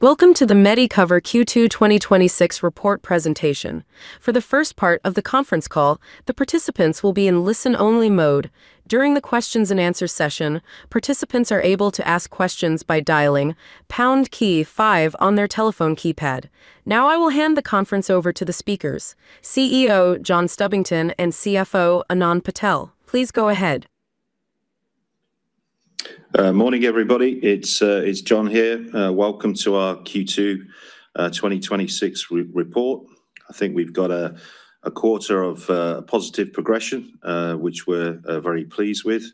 Welcome to the Medicover Q2 2026 report presentation. For the first part of the conference call, the participants will be in listen-only mode. During the questions and answers session, participants are able to ask questions by dialing pound key five on their telephone keypad. Now I will hand the conference over to the speakers, CEO John Stubbington and CFO Anand Patel. Please go ahead. Morning, everybody. It's John here. Welcome to our Q2 2026 report. I think we've got a quarter of positive progression, which we're very pleased with.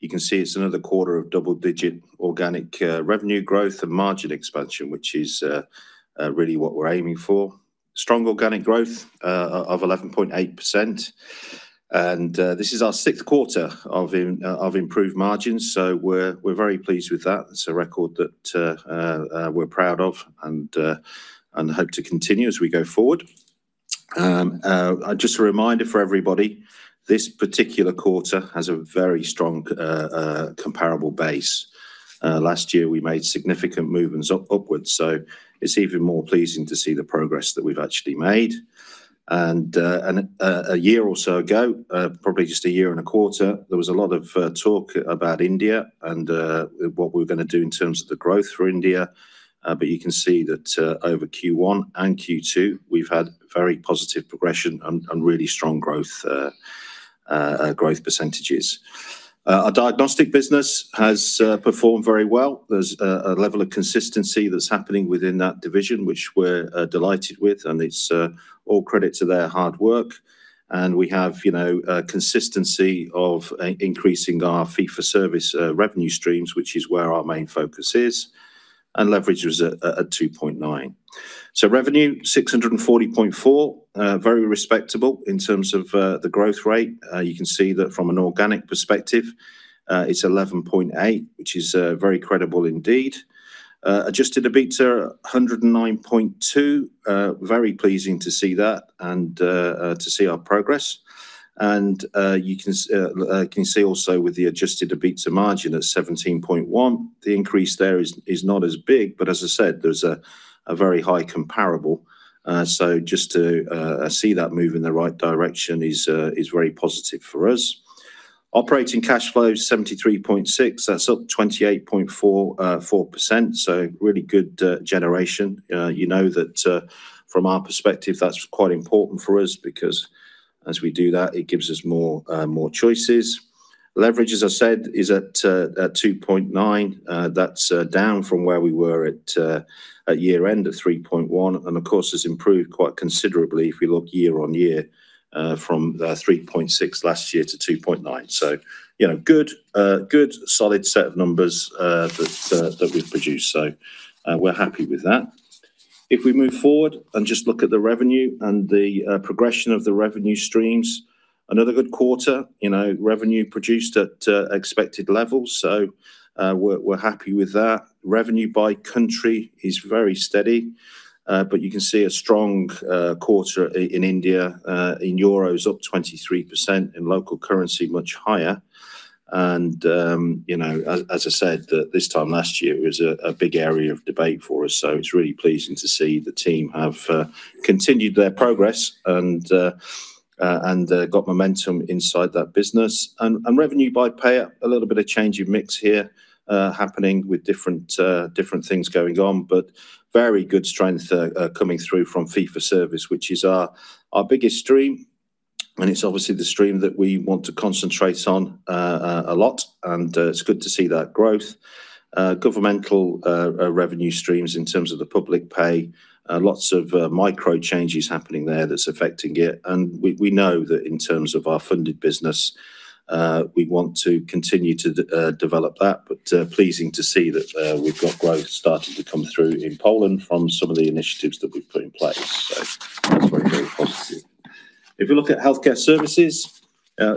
You can see it's another quarter of double-digit organic revenue growth and margin expansion, which is really what we're aiming for. Strong organic growth of 11.8%, and this is our sixth quarter of improved margins, so we're very pleased with that. It's a record that we're proud of and hope to continue as we go forward. Just a reminder for everybody, this particular quarter has a very strong comparable base. Last year we made significant movements upwards, so it's even more pleasing to see the progress that we've actually made. A year or so ago, probably just a year and a quarter, there was a lot of talk about India and what we were going to do in terms of the growth for India. You can see that over Q1 and Q2, we've had very positive progression and really strong growth percentages. Our diagnostic business has performed very well. There's a level of consistency that's happening within that division, which we're delighted with, and it's all credit to their hard work. We have consistency of increasing our Fee-For-Service revenue streams, which is where our main focus is, and leverage was at 2.9x. Revenue 640.4 million, very respectable in terms of the growth rate. You can see that from an organic perspective it's 11.8%, which is very credible indeed. Adjusted EBITDA 109.2 million. Very pleasing to see that and to see our progress. You can see also with the adjusted EBITDA margin at 17.1%, the increase there is not as big, but as I said, there's a very high comparable. Just to see that move in the right direction is very positive for us. Operating cash flow is 73.6 million. That's up 28.44%, so really good generation. You know that from our perspective, that's quite important for us because as we do that, it gives us more choices. Leverage, as I said, is at 2.9x. That's down from where we were at year-end of 3.1x, and of course, has improved quite considerably if we look year-on-year from 3.6x last year to 2.9x. Good solid set of numbers that we've produced. We're happy with that. If we move forward and just look at the revenue and the progression of the revenue streams, another good quarter. Revenue produced at expected levels, so we're happy with that. Revenue by country is very steady, you can see a strong quarter in India, in Euros up 23%, in local currency, much higher. As I said, this time last year, it was a big area of debate for us. It's really pleasing to see the team have continued their progress and got momentum inside that business. Revenue by payer, a little bit of change of mix here happening with different things going on, but very good strength coming through from Fee-For-Service, which is our biggest stream. It's obviously the stream that we want to concentrate on a lot, and it's good to see that growth. Governmental revenue streams in terms of the public pay, lots of micro changes happening there that's affecting it. We know that in terms of our funded business, we want to continue to develop that. Pleasing to see that we've got growth starting to come through in Poland from some of the initiatives that we've put in place. That's very, very positive. If you look at Healthcare Services,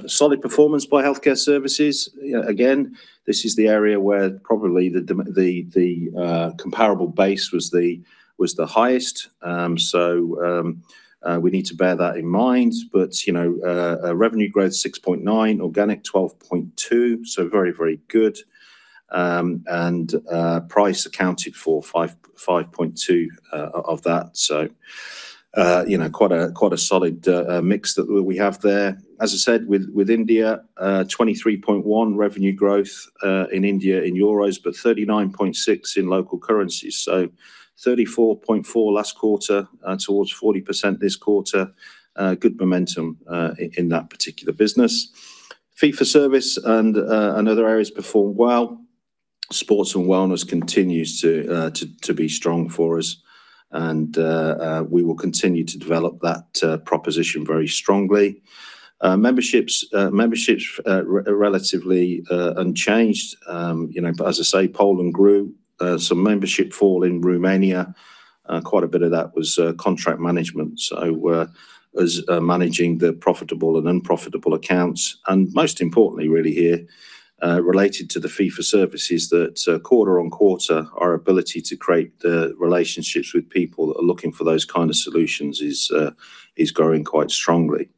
solid performance by Healthcare Services. Again, this is the area where probably the comparable base was the highest. We need to bear that in mind. Revenue growth 6.9%, organic 12.2%. Very good. Price accounted for 5.2% of that. Quite a solid mix that we have there. As I said, with India, 23.1% revenue growth in India in Euros, but 39.6% in local currencies. 34.4% last quarter, towards 40% this quarter. Good momentum in that particular business. Fee-For-Service and other areas perform well. Sports and wellness continues to be strong for us, and we will continue to develop that proposition very strongly. Memberships, relatively unchanged. As I say, Poland grew. Some membership fall in Romania. Quite a bit of that was contract management. Was managing the profitable and unprofitable accounts, and most importantly really here, related to the Fee-For-Service that quarter-on-quarter, our ability to create the relationships with people that are looking for those kind of solutions is growing quite strongly.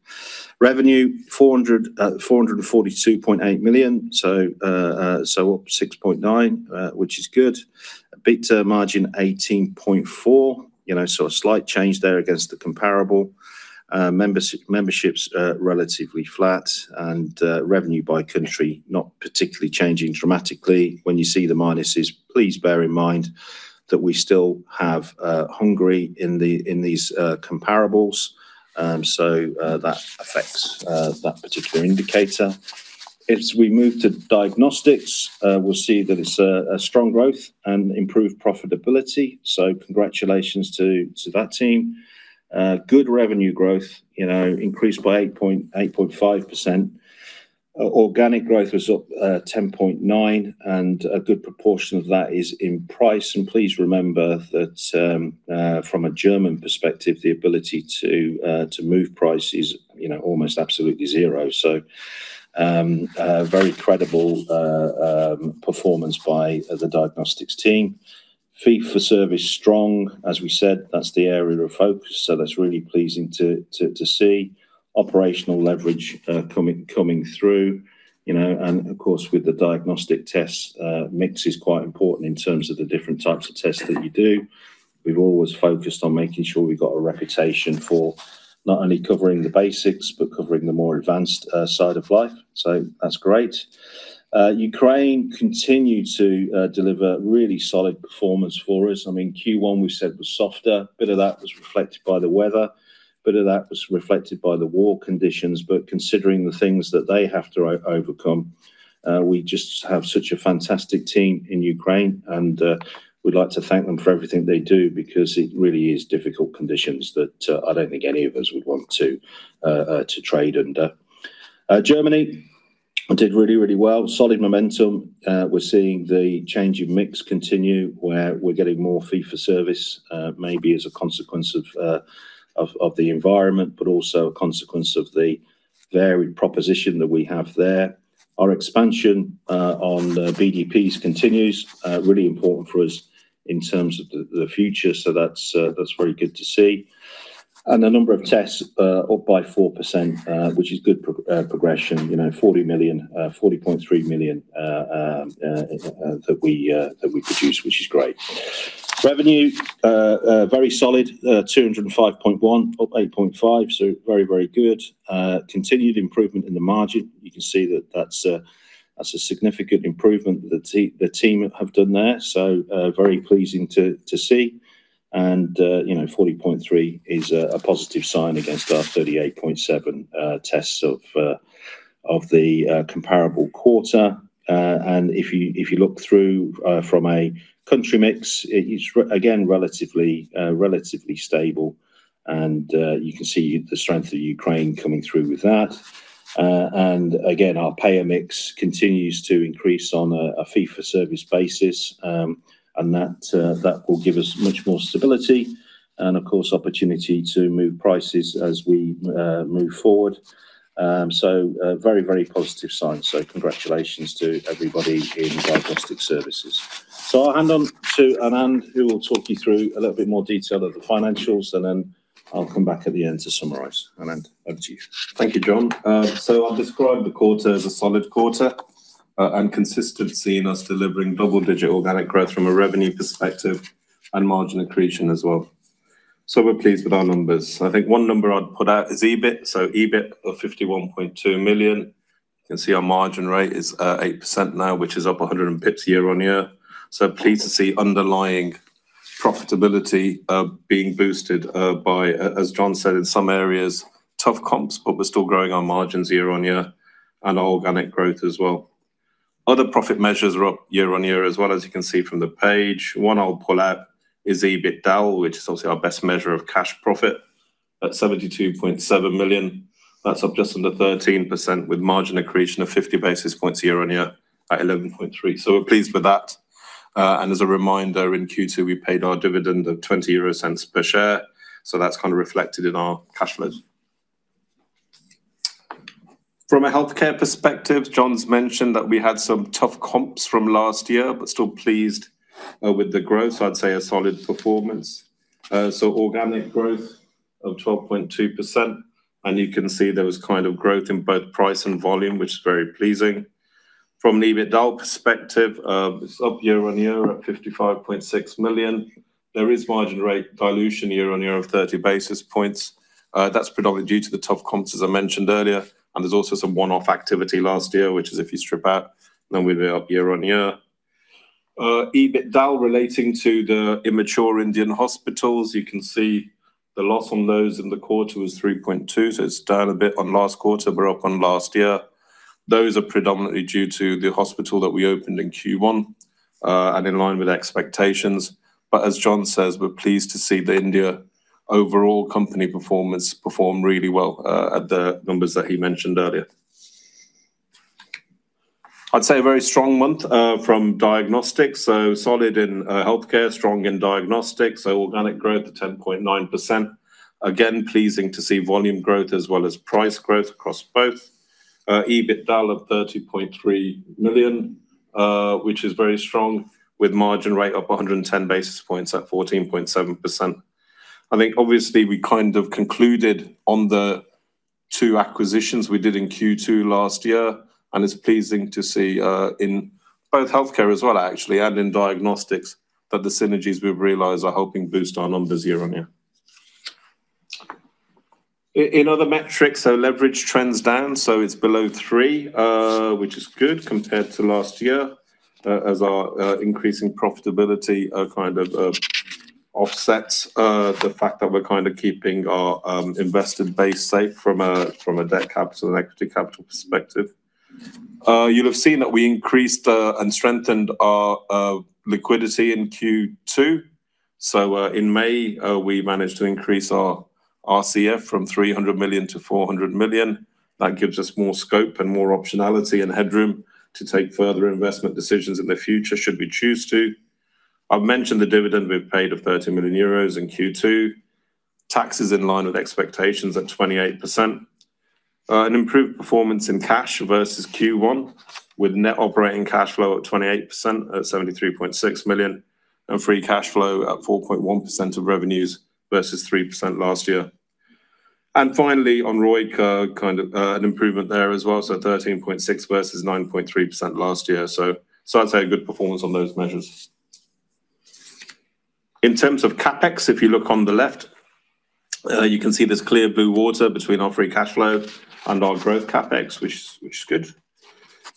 Revenue, 442.8 million, up 6.9%, which is good. EBITDA margin 18.4%. A slight change there against the comparable. Memberships are relatively flat, and revenue by country not particularly changing dramatically. When you see the minuses, please bear in mind that we still have Hungary in these comparables. That affects that particular indicator. As we move to Diagnostics, we'll see that it's a strong growth and improved profitability. Congratulations to that team. Good revenue growth, increased by 8.5%. Organic growth was up 10.9%, and a good proportion of that is in price. Please remember that from a German perspective, the ability to move price is almost absolutely zero. Very credible performance by the Diagnostics team. Fee-For-Service strong. As we said, that's the area of focus, that's really pleasing to see. Operational leverage coming through. Of course, with the diagnostic tests, mix is quite important in terms of the different types of tests that you do. We've always focused on making sure we've got a reputation for not only covering the basics, but covering the more advanced side of life, that's great. Ukraine continued to deliver really solid performance for us. I mean, Q1 we said was softer. A bit of that was reflected by the weather, a bit of that was reflected by the war conditions. Considering the things that they have to overcome, we just have such a fantastic team in Ukraine, and we would like to thank them for everything they do because it really is difficult conditions that I do not think any of us would want to trade under. Germany did really, really well. Solid momentum. We are seeing the change in mix continue, where we are getting more Fee-For-Service maybe as a consequence of the environment, but also a consequence of the varied proposition that we have there. Our expansion on the BDPs continues. Really important for us in terms of the future, so that is very good to see. The number of tests are up by 4%, which is good progression. 40.3 million that we produce, which is great. Revenue, very solid, 205.1 million up 8.5%. Very, very good. Continued improvement in the margin. You can see that that is a significant improvement the team have done there, so very pleasing to see. 40.3 million is a positive sign against our 38.7 million tests of the comparable quarter. If you look through from a country mix, it is again, relatively stable. You can see the strength of Ukraine coming through with that. Again, our payer mix continues to increase on a Fee-For-Service basis. That will give us much more stability and of course, opportunity to move prices as we move forward. A very, very positive sign. Congratulations to everybody in Diagnostic Services. I will hand on to Anand, who will talk you through a little bit more detail of the financials, and then I will come back at the end to summarize. Anand, over to you. Thank you, John. I will describe the quarter as a solid quarter, and consistency in us delivering double-digit organic growth from a revenue perspective and margin accretion as well. We are pleased with our numbers. I think one number I would put out is EBIT. EBIT of 51.2 million. You can see our margin rate is 8% now, which is up 100 basis points year-on-year. Pleased to see underlying profitability being boosted by, as John said, in some areas, tough comps, but we are still growing our margins year-on-year and our organic growth as well. Other profit measures are up year-on-year as well, as you can see from the page. One I will pull out is the EBITDA, which is obviously our best measure of cash profit at 72.7 million. That is up just under 13%, with margin accretion of 50 basis points year-on-year at 11.3%. We are pleased with that. As a reminder, in Q2, we paid our dividend of 0.20 per share, so that is kind of reflected in our cash flow. From a healthcare perspective, John has mentioned that we had some tough comps from last year, but still pleased with the growth. I would say a solid performance. Organic growth of 12.2%, and you can see there was kind of growth in both price and volume, which is very pleasing. From the EBITDA perspective, it is up year-on-year at 55.6 million. There is margin rate dilution year-on-year of 30 basis points. That is predominantly due to the tough comps, as I mentioned earlier. There is also some one-off activity last year, which if you strip out, then we would be up year-on-year. EBITDA relating to the immature Indian hospitals. You can see the loss on those in the quarter was 3.2 million, so it is down a bit on last quarter, but up on last year. Those are predominantly due to the hospital that we opened in Q1, in line with expectations. As John says, we are pleased to see the India overall company performance perform really well at the numbers that he mentioned earlier. I would say a very strong month from Diagnostics. Solid in Healthcare, strong in Diagnostics. Organic growth of 10.9%. Again, pleasing to see volume growth as well as price growth across both. EBITDA of 30.3 million, which is very strong with margin rate up 110 basis points at 14.7%. I think obviously we kind of concluded on the two acquisitions we did in Q2 last year. It is pleasing to see in both Healthcare as well actually, and in Diagnostics, that the synergies we have realized are helping boost our numbers year-on-year. In other metrics, leverage trends down. It is below 3x, which is good compared to last year as our increasing profitability kind of offsets the fact that we are kind of keeping our invested base safe from a debt capital and equity capital perspective. You will have seen that we increased and strengthened our liquidity in Q2. In May, we managed to increase our RCF from 300 million to 400 million. That gives us more scope and more optionality and headroom to take further investment decisions in the future should we choose to. I have mentioned the dividend we have paid of 30 million euros in Q2. Taxes in line with expectations at 28%. An improved performance in cash versus Q1, with net operating cash flow at 28% at 73.6 million, and free cash flow at 4.1% of revenues versus 3% last year. Finally, on ROIC, kind of an improvement there as well. 13.6% versus 9.3% last year. I would say a good performance on those measures. In terms of CapEx, if you look on the left, you can see there is clear blue water between our free cash flow and our growth CapEx, which is good.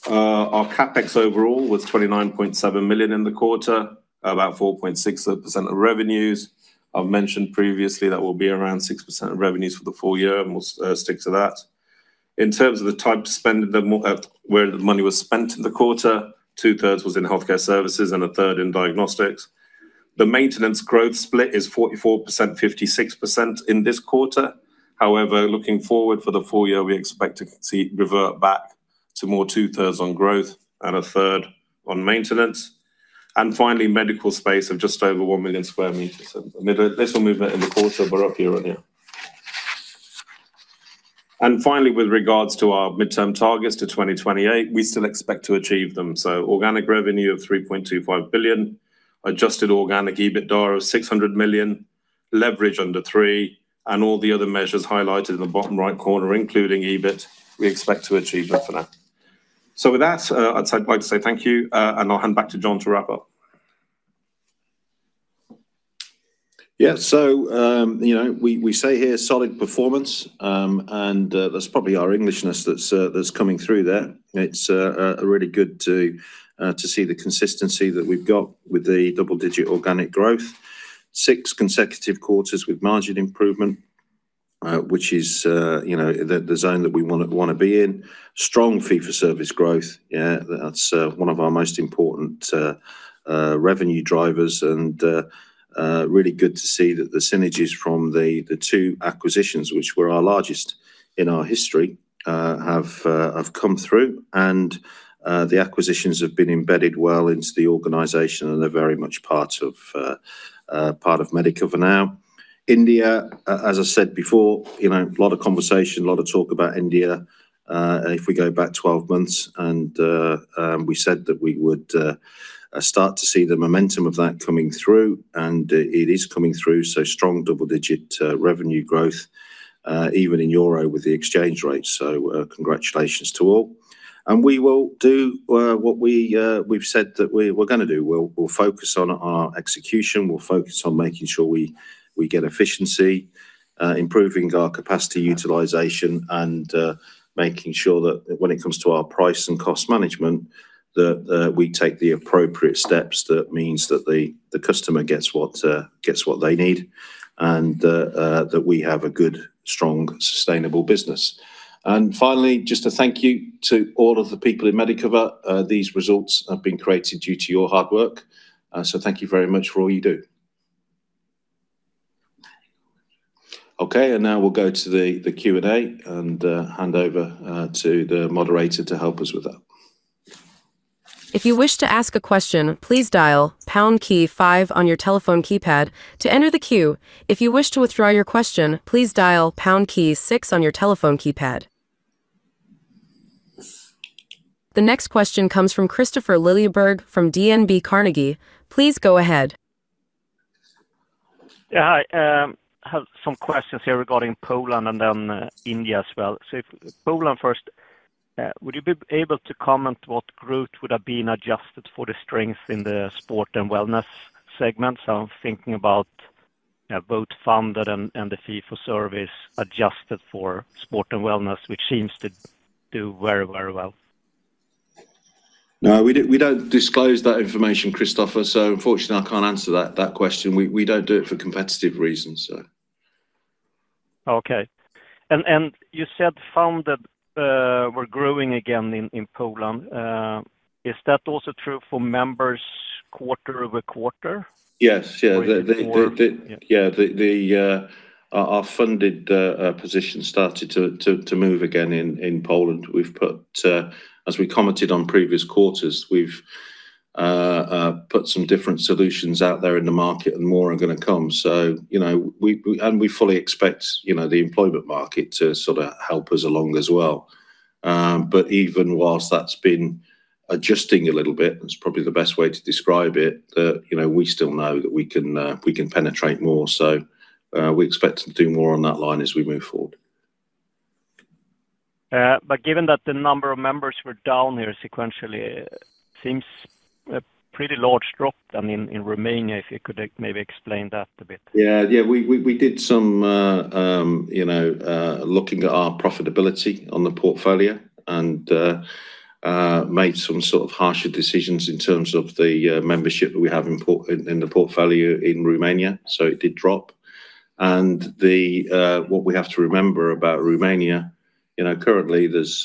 Our CapEx overall was 29.7 million in the quarter, about 4.6% of revenues. I have mentioned previously that we will be around 6% of revenues for the full year, and we will stick to that. In terms of where the money was spent in the quarter, 2/3 was in Healthcare Services and 1/3 in Diagnostic Services. The maintenance growth split is 44%/56% in this quarter. However, looking forward for the full year, we expect to revert back to more two-thirds on growth and a third on maintenance. Finally, medical space of just over 1 million sq m. A little movement in the quarter, but up year-on-year. Finally, with regards to our midterm targets to 2028, we still expect to achieve them. Organic revenue of 3.25 billion, adjusted organic EBITDA of 600 million, leverage under 3, and all the other measures highlighted in the bottom right corner, including EBIT, we expect to achieve that for now. With that, I would like to say thank you, and I will hand back to John to wrap up. Yeah. We say here solid performance, and that's probably our Englishness that's coming through there. It's really good to see the consistency that we've got with the double-digit organic growth. Six consecutive quarters with margin improvement, which is the zone that we want to be in. Strong Fee-For-Service growth. That's one of our most important revenue drivers, and really good to see that the synergies from the two acquisitions, which were our largest in our history, have come through, and the acquisitions have been embedded well into the organization and are very much part of Medicover now. India, as I said before, a lot of conversation, a lot of talk about India. If we go back 12 months, we said that we would start to see the momentum of that coming through, and it is coming through, strong double-digit revenue growth, even in Euro with the exchange rate. Congratulations to all. We will do what we've said that we were gonna do. We'll focus on our execution, we'll focus on making sure we get efficiency, improving our capacity utilization, and making sure that when it comes to our price and cost management, that we take the appropriate steps that means that the customer gets what they need and that we have a good, strong, sustainable business. Finally, just a thank you to all of the people in Medicover. These results have been created due to your hard work, thank you very much for all you do. Now we'll go to the Q&A and hand over to the moderator to help us with that. If you wish to ask a question, please dial pound key five on your telephone keypad to enter the queue. If you wish to withdraw your question, please dial pound key six on your telephone keypad. The next question comes from Kristofer Liljeberg from DNB Carnegie. Please go ahead. Yeah. Hi. I have some questions here regarding Poland and then India as well. Poland first. Would you be able to comment what growth would have been adjusted for the strength in the sport and wellness segment? I'm thinking about both funded and the Fee-For-Service adjusted for sport and wellness, which seems to do very well. No, we don't disclose that information, Kristofer, unfortunately, I can't answer that question. We don't do it for competitive reasons. Okay. You said funded were growing again in Poland. Is that also true for members quarter-over-quarter? Yes. Yeah. Our funded position started to move again in Poland. As we commented on previous quarters, we've put some different solutions out there in the market, and more are gonna come. We fully expect the employment market to sort of help us along as well. Even whilst that's been adjusting a little bit, that's probably the best way to describe it, we still know that we can penetrate more. We expect to do more on that line as we move forward. Given that the number of members were down here sequentially seems a pretty large drop than in Romania, if you could maybe explain that a bit. We did some looking at our profitability on the portfolio and made some sort of harsher decisions in terms of the membership that we have in the portfolio in Romania. It did drop. What we have to remember about Romania, currently there's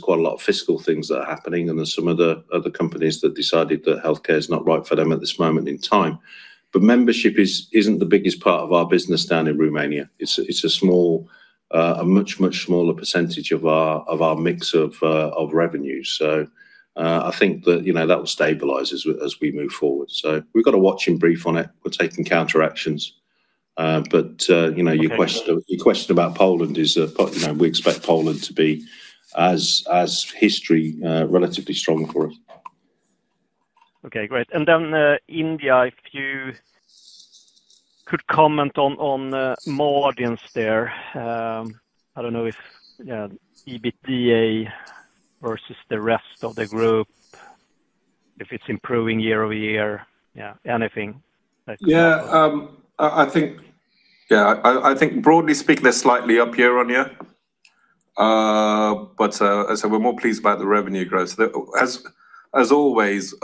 quite a lot of fiscal things that are happening and there's some other companies that decided that healthcare is not right for them at this moment in time. Membership isn't the biggest part of our business down in Romania. It's a much, much smaller percentage of our mix of revenues. I think that will stabilize as we move forward. We've got a watch and brief on it. We're taking counter actions. Your question about Poland is, we expect Poland to be as history, relatively strong for us. Okay, great. Then India, if you could comment on margins there. I don't know if EBITDA versus the rest of the group, if it's improving year-over-year. I think broadly speaking, they're slightly up year-on-year. As I said, we're more pleased about the revenue growth. As always,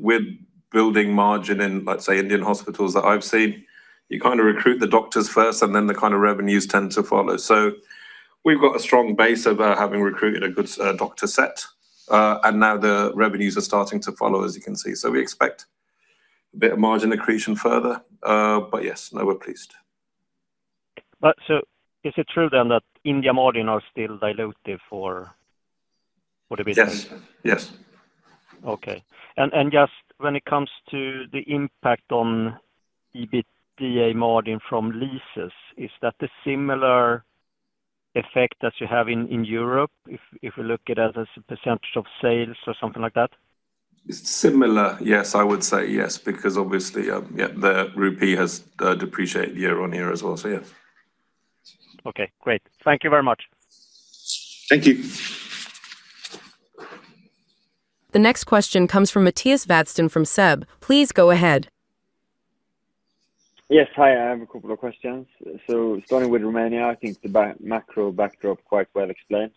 with building margin in, let's say Indian hospitals that I've seen, you kind of recruit the doctors first and then the kind of revenues tend to follow. We've got a strong base of having recruited a good doctor set, and now the revenues are starting to follow, as you can see. We expect a bit of margin accretion further. Yes, no, we're pleased. Is it true then that India margins are still dilutive for the business? Yes. Okay. Just when it comes to the impact on EBITDA margin from leases, is that the similar effect that you have in Europe if we look at it as a percentage of sales or something like that? Similar, yes. I would say yes, because obviously the Rupee has depreciated year-over-year as well. Yes. Okay, great. Thank you very much. Thank you. The next question comes from Mattias Vadsten from SEB. Please go ahead. Yes, hi. I have a couple of questions. Starting with Romania, I think the macro backdrop quite well explained.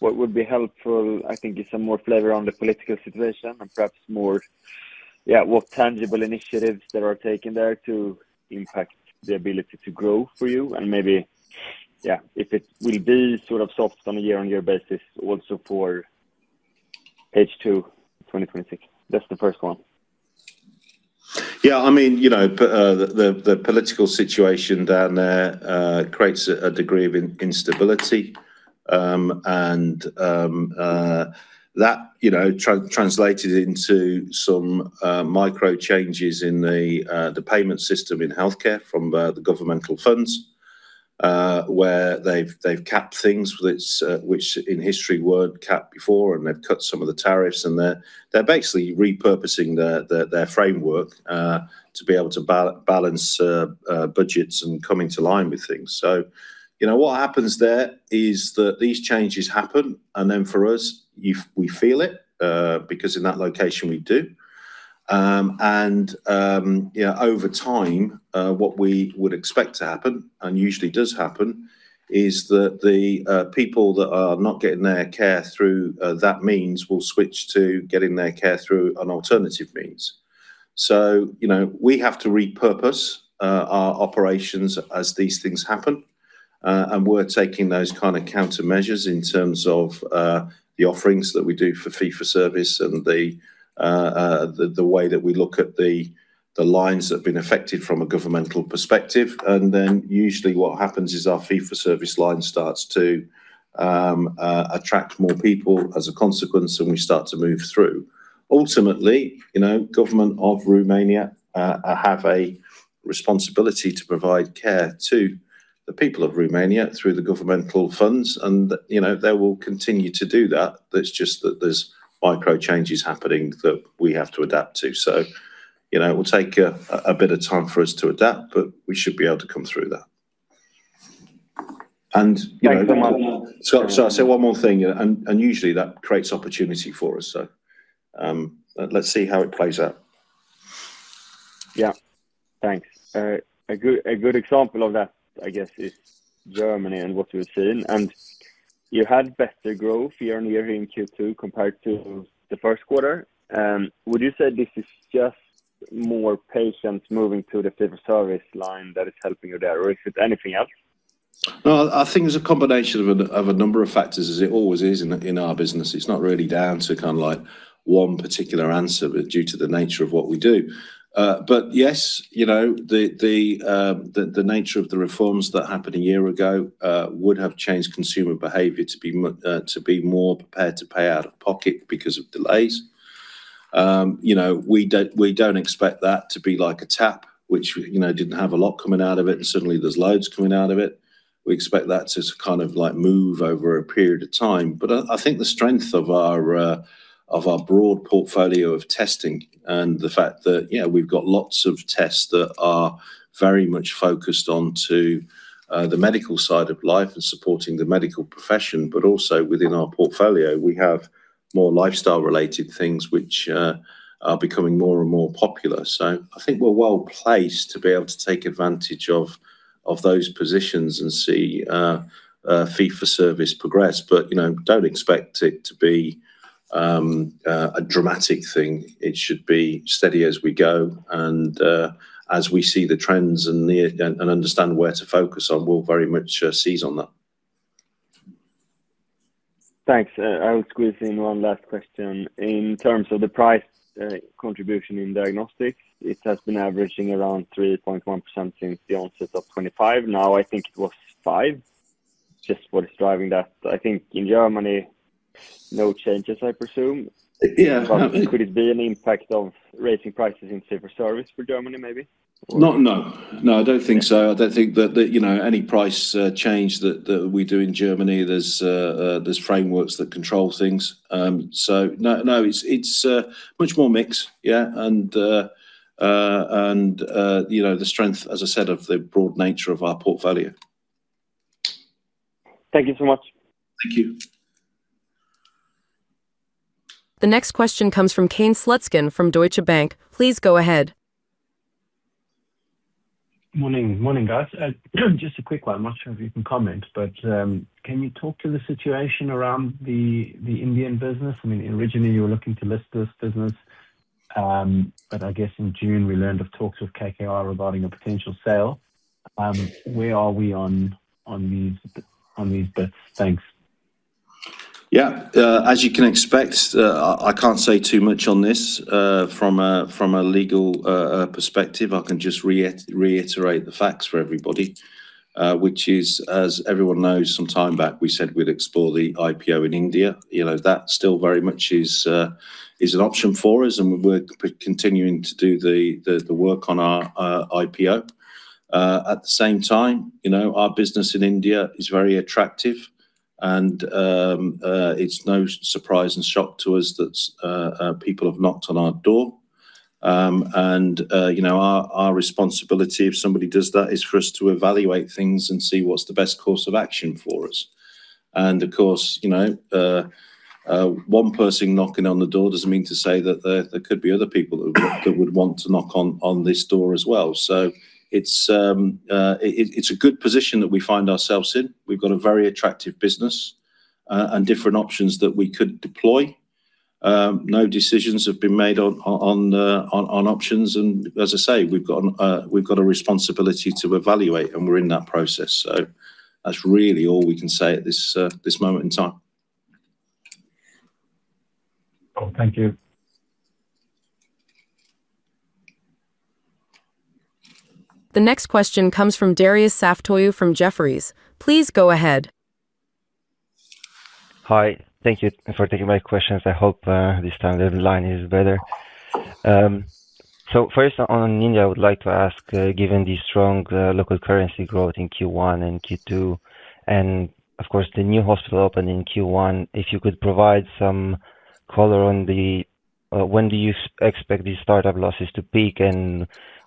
What would be helpful, I think is some more flavor on the political situation and perhaps more what tangible initiatives that are taken there to impact the ability to grow for you and maybe, yeah, if it will be sort of soft on a year-on-year basis also for H2 2026. That's the first one. Yeah. The political situation down there creates a degree of instability, and that translated into some micro changes in the payment system in healthcare from the governmental funds, where they've capped things which in history weren't capped before, and they've cut some of the tariffs. They're basically repurposing their framework to be able to balance budgets and coming into line with things. What happens there is that these changes happen, and then for us, we feel it, because in that location we do. Over time, what we would expect to happen, and usually does happen, is that the people that are not getting their care through that means will switch to getting their care through an alternative means. We have to repurpose our operations as these things happen. We're taking those kind of countermeasures in terms of the offerings that we do for Fee-For-Service and the way that we look at the lines that have been affected from a governmental perspective. Usually what happens is our Fee-For-Service line starts to attract more people as a consequence, and we start to move through. Ultimately, government of Romania have a responsibility to provide care to the people of Romania through the governmental funds, and they will continue to do that. There's just that there's micro changes happening that we have to adapt to. It will take a bit of time for us to adapt, but we should be able to come through that. Thank you very much. Sorry, one more thing. Usually that creates opportunity for us. Let's see how it plays out. Yeah. Thanks. A good example of that, I guess is Germany and what we've seen, you had better growth year-on-year in Q2 compared to the first quarter. Would you say this is just more patients moving to the Fee-For-Service line that is helping you there, or is it anything else? I think it's a combination of a number of factors as it always is in our business. It's not really down to one particular answer due to the nature of what we do. Yes, the nature of the reforms that happened a year ago, would have changed consumer behavior to be more prepared to pay out of pocket because of delays. We don't expect that to be like a tap, which didn't have a lot coming out of it, and suddenly there's loads coming out of it. We expect that to move over a period of time. I think the strength of our broad portfolio of testing and the fact that we've got lots of tests that are very much focused on to the medical side of life and supporting the medical profession, also within our portfolio, we have more lifestyle-related things which are becoming more and more popular. I think we're well-placed to be able to take advantage of those positions and see Fee-For-Service progress. Don't expect it to be a dramatic thing. It should be steady as we go. As we see the trends and understand where to focus on, we'll very much seize on that. Thanks. I'll squeeze in one last question. In terms of the price contribution in diagnostics, it has been averaging around 3.1% since the onset of 2025. Now, I think it was five. Just what is driving that? I think in Germany, no changes, I presume. Yeah. Could it be an impact of raising prices in Fee-For-Service for Germany, maybe? No. I don't think so. I don't think that any price change that we do in Germany, there's frameworks that control things. No, it's much more mix, yeah. The strength, as I said, of the broad nature of our portfolio. Thank you so much. Thank you. The next question comes from Kane Slutzkin from Deutsche Bank. Please go ahead. Morning, guys. Just a quick one. I'm not sure if you can comment, but can you talk to the situation around the Indian business? Originally, you were looking to list this business, but I guess in June, we learned of talks with KKR regarding a potential sale. Where are we on these bits? Thanks. Yeah. As you can expect, I can't say too much on this from a legal perspective. I can just reiterate the facts for everybody, which is, as everyone knows, some time back we said we'd explore the IPO in India. That still very much is an option for us, and we're continuing to do the work on our IPO. At the same time, our business in India is very attractive and it's no surprise and shock to us that people have knocked on our door. Our responsibility if somebody does that is for us to evaluate things and see what's the best course of action for us. Of course, one person knocking on the door doesn't mean to say that there could be other people that would want to knock on this door as well. It's a good position that we find ourselves in. We've got a very attractive business and different options that we could deploy. No decisions have been made on options, and as I say, we've got a responsibility to evaluate, and we're in that process. That's really all we can say at this moment in time. Cool. Thank you. The next question comes from Darius Saftoiu from Jefferies. Please go ahead. Hi. Thank you for taking my questions. I hope this time the line is better. First on India, I would like to ask, given the strong local currency growth in Q1 and Q2, and of course, the new hospital opening in Q1, if you could provide some color on when do you expect these startup losses to peak and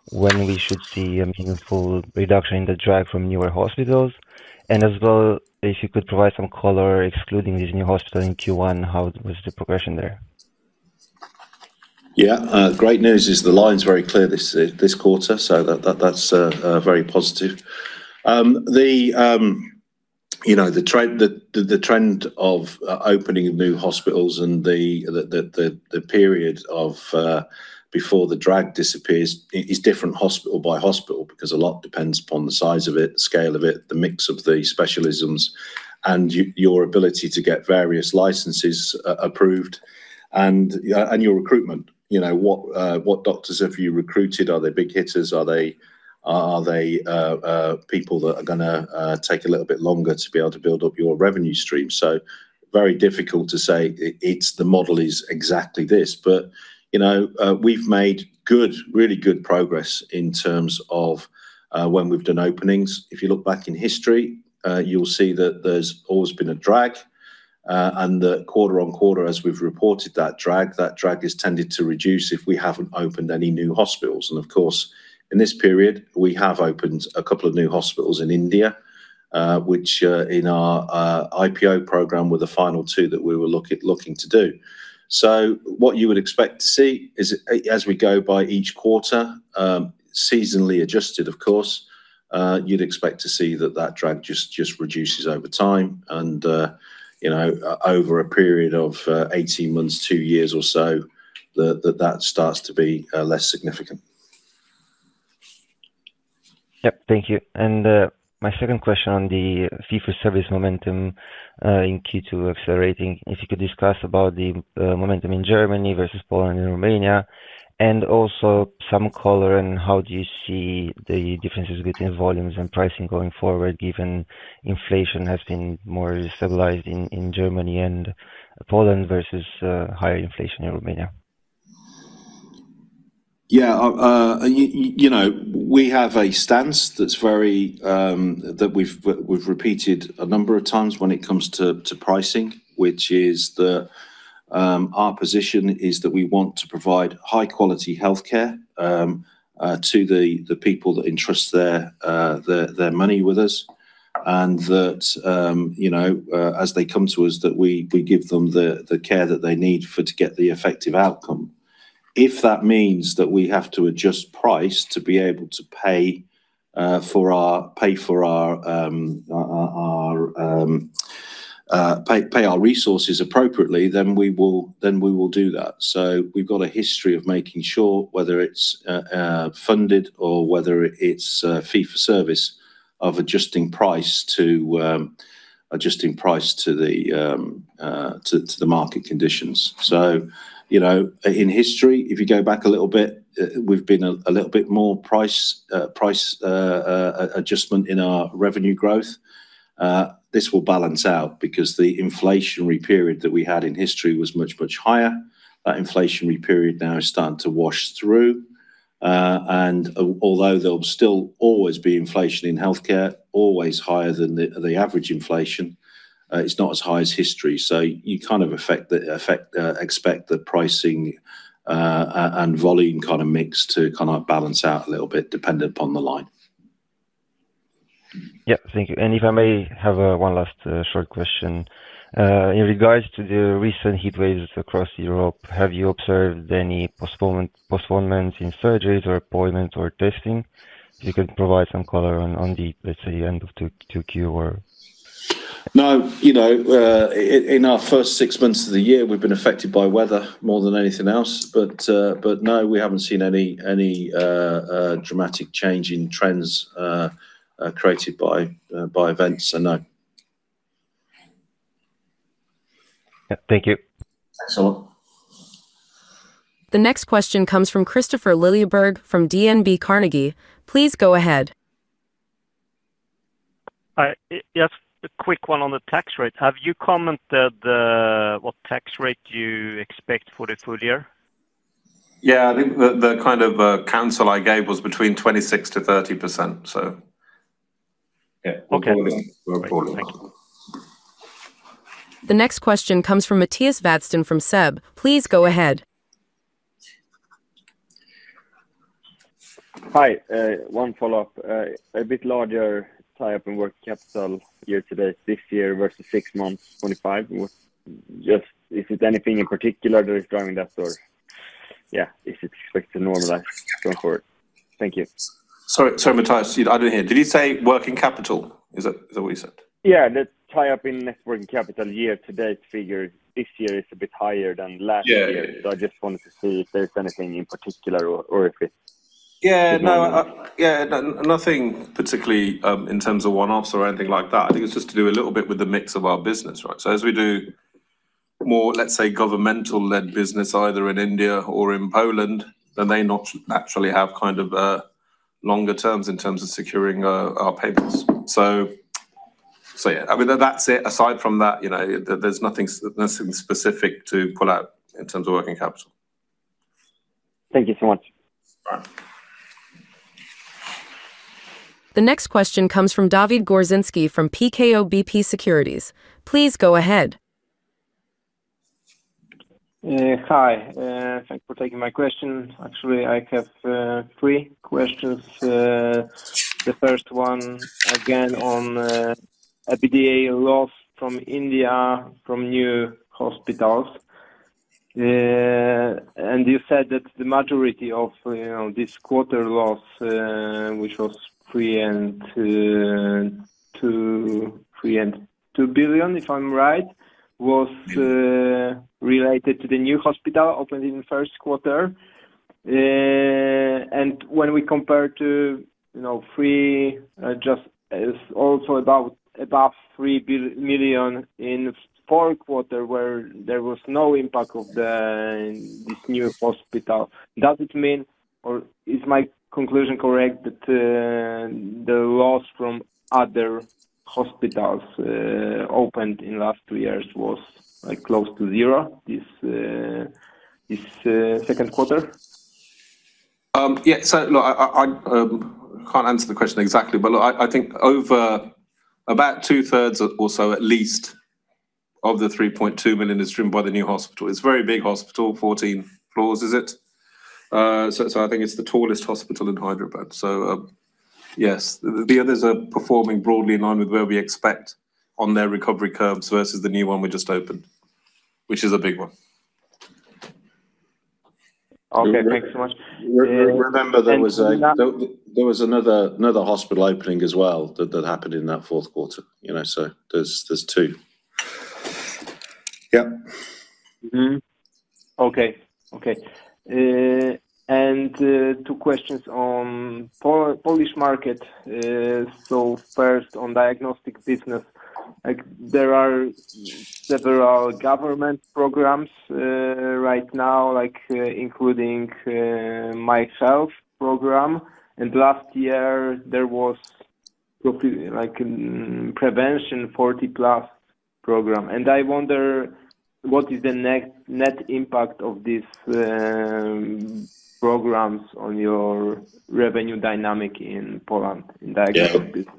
when we should see a meaningful reduction in the drag from newer hospitals? As well, if you could provide some color, excluding this new hospital in Q1, how was the progression there? Great news is the line's very clear this quarter, that's very positive. The trend of opening new hospitals and the period before the drag disappears is different hospital by hospital, because a lot depends upon the size of it, scale of it, the mix of the specialisms, and your ability to get various licenses approved and your recruitment. What doctors have you recruited? Are they big hitters? Are they people that are going to take a little bit longer to be able to build up your revenue stream? Very difficult to say the model is exactly this. We've made really good progress in terms of when we've done openings. If you look back in history, you'll see that there's always been a drag. Quarter on quarter, as we've reported that drag, that drag has tended to reduce if we haven't opened any new hospitals. Of course, in this period, we have opened a couple of new hospitals in India, which in our IPO program were the final two that we were looking to do. What you would expect to see is as we go by each quarter, seasonally adjusted, of course, you'd expect to see that that drag just reduces over time and over a period of 18 months, two years or so, that that starts to be less significant. Yep. Thank you. My second question on the Fee-For-Service momentum in Q2 accelerating. If you could discuss about the momentum in Germany versus Poland and Romania, also some color on how do you see the differences between volumes and pricing going forward, given inflation has been more stabilized in Germany and Poland versus higher inflation in Romania? Yeah. We have a stance that we've repeated a number of times when it comes to pricing, which is that our position is that we want to provide high-quality healthcare to the people that entrust their money with us, and that as they come to us, that we give them the care that they need to get the effective outcome. If that means that we have to adjust price to be able to pay our resources appropriately, then we will do that. We've got a history of making sure, whether it's funded or whether it's Fee-For-Service, of adjusting price to the market conditions. In history, if you go back a little bit, we've been a little bit more price adjustment in our revenue growth. This will balance out because the inflationary period that we had in history was much, much higher. That inflationary period now is starting to wash through. Although there'll still always be inflation in healthcare, always higher than the average inflation, it's not as high as history. You kind of expect the pricing and volume kind of mix to balance out a little bit dependent upon the line. Yeah. Thank you. If I may have one last short question. In regards to the recent heatwaves across Europe, have you observed any postponements in surgeries or appointments or testing? If you could provide some color on the, let's say, end of 2Q or. No. In our first six months of the year, we've been affected by weather more than anything else. No, we haven't seen any dramatic change in trends created by events. No. Yep. Thank you. Thanks a lot. The next question comes from Kristofer Liljeberg from DNB Carnegie. Please go ahead. Hi. Just a quick one on the tax rate. Have you commented what tax rate you expect for the full year? Yeah. I think the kind of counsel I gave was between 26%-30%. Yeah. Okay. We're following. Great. Thank you. The next question comes from Mattias Vadsten from SEB. Please go ahead. Hi. One follow-up. A bit larger tie-up in working capital year-to-date this year versus six months 2025. Is it anything in particular that is driving that, or is it expected to normalize going forward? Thank you. Sorry, Mattias. I didn't hear. Did you say working capital? Is that what you said? Yeah. The tie-up in working capital year-to-date figure this year is a bit higher than last year. Yeah. I just wanted to see if there's anything in particular or if it. Yeah, no. Nothing particularly in terms of one-offs or anything like that. I think it's just to do a little bit with the mix of our business, right? As we do more, let's say governmental-led business either in India or in Poland, then they naturally have kind of longer terms in terms of securing our payables. Yeah. I mean, that's it. Aside from that, there's nothing specific to pull out in terms of working capital. Thank you so much. All right. The next question comes from Dawid Górzyński from PKO BP Securities. Please go ahead. Hi. Thanks for taking my question. Actually, I have three questions. The first one, again, on EBITDA loss from India from new hospitals. You said that the majority of this quarter loss, which was 3.2 million, if I'm right, was related to the new hospital opened in the first quarter. When we compare to three, just is also about 3 million in the fourth quarter, where there was no impact of this new hospital. Does it mean, or is my conclusion correct that the loss from other hospitals opened in last two years was close to zero this second quarter? Yeah. Look, I can't answer the question exactly, look, I think over about 2/3 or so, at least of the 3.2 million is driven by the new hospital. It's a very big hospital, 14 floors, is it? I think it's the tallest hospital in Hyderabad. Yes. The others are performing broadly in line with where we expect on their recovery curves versus the new one we just opened, which is a big one. Okay. Thank you so much. Remember there was another hospital opening as well that happened in that fourth quarter. There's two. Yep. Okay. Two questions on Polish market. First on Diagnostic Services business. There are several government programs right now, including Myself program. Last year there was Like Prevention 40 Plus program. I wonder what is the net impact of these programs on your revenue dynamic in Poland in the aggregate business?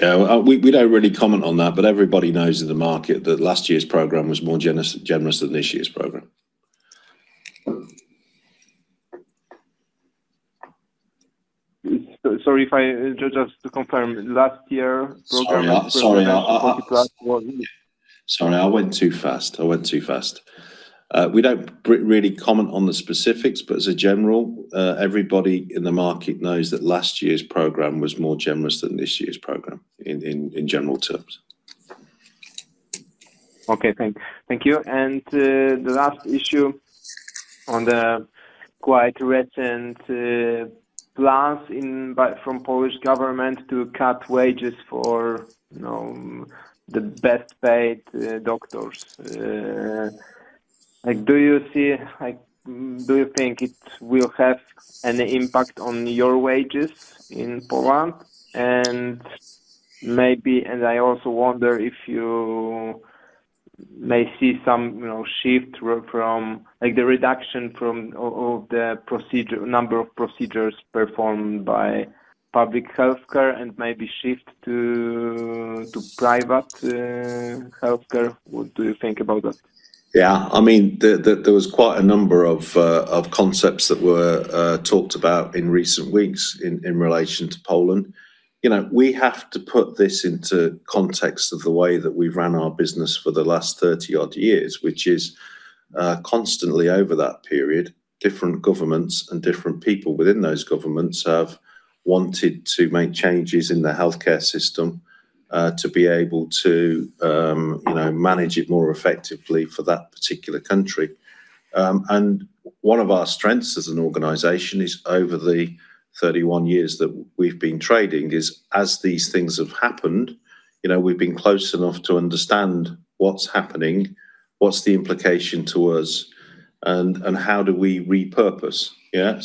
Yeah. We don't really comment on that, but everybody knows in the market that last year's program was more generous than this year's program. Sorry. Just to confirm, last year program. Sorry. Sorry, I went too fast. We don't really comment on the specifics, but as a general, everybody in the market knows that last year's program was more generous than this year's program, in general terms. Okay, thank you. The last issue on the quite recent plans from Polish government to cut wages for the best-paid doctors. Do you think it will have any impact on your wages in Poland? I also wonder if you may see some shift from the reduction from all the number of procedures performed by public healthcare and maybe shift to private healthcare. What do you think about that? Yeah. There was quite a number of concepts that were talked about in recent weeks in relation to Poland. We have to put this into context of the way that we've ran our business for the last 30 odd years, which is constantly over that period, different governments and different people within those governments have wanted to make changes in the healthcare system to be able to manage it more effectively for that particular country. One of our strengths as an organization is over the 31 years that we've been trading is as these things have happened, we've been close enough to understand what's happening, what's the implication to us, and how do we repurpose. Yeah.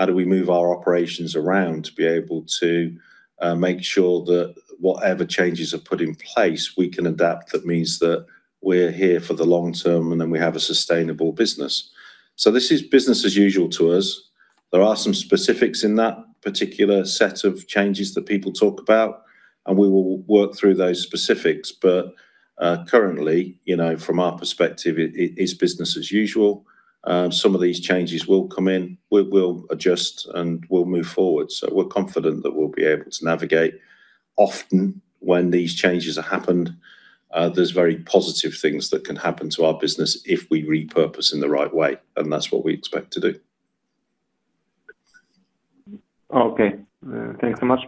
How do we move our operations around to be able to make sure that whatever changes are put in place, we can adapt. That means that we're here for the long term, and then we have a sustainable business. This is business as usual to us. There are some specifics in that particular set of changes that people talk about, and we will work through those specifics. Currently, from our perspective, it is business as usual. Some of these changes will come in. We'll adjust, and we'll move forward. We're confident that we'll be able to navigate. Often, when these changes have happened, there's very positive things that can happen to our business if we repurpose in the right way, and that's what we expect to do. Okay. Thanks so much.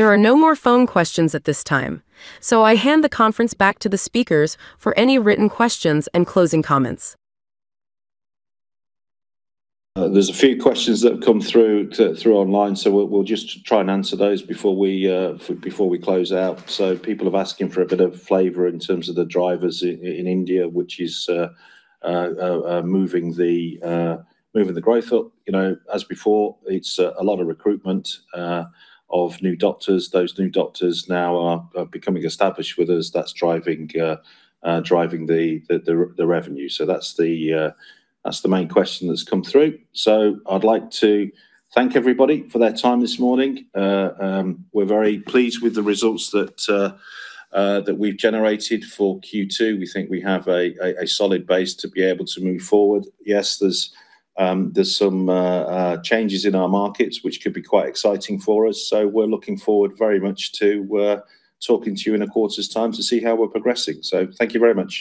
Thank you. There are no more phone questions at this time. I hand the conference back to the speakers for any written questions and closing comments. There's a few questions that have come through online. We'll just try and answer those before we close out. People have asking for a bit of flavor in terms of the drivers in India, which is moving the growth up. As before, it's a lot of recruitment of new doctors. Those new doctors now are becoming established with us. That's driving the revenue. That's the main question that's come through. I'd like to thank everybody for their time this morning. We're very pleased with the results that we've generated for Q2. We think we have a solid base to be able to move forward. Yes, there's some changes in our markets which could be quite exciting for us. We're looking forward very much to talking to you in a quarter's time to see how we're progressing. Thank you very much.